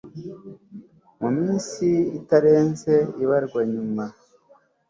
mu minsi itarenze ibarwa nyuma